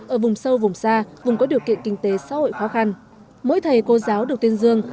ở vùng sâu vùng xa vùng có điều kiện kinh tế xã hội khó khăn mỗi thầy cô giáo được tuyên dương